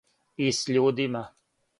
И с људима.